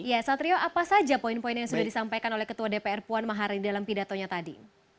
ya satrio apa saja poin poin yang sudah disampaikan oleh ketua dpr puan maharani dalam pidatonya tadi